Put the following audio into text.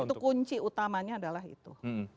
itu kunci utamanya adalah itu